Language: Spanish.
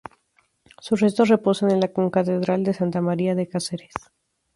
Sus restos reposan en la Concatedral de Santa María de Cáceres.